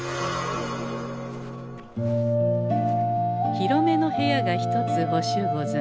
広めの部屋が１つほしゅうござんす。